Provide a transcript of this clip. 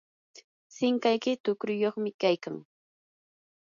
sinqayki tuqruyuqmi kaykan.